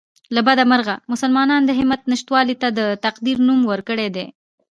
له بده مرغه مسلمانانو د همت نشتوالي ته د تقدیر نوم ورکړی دی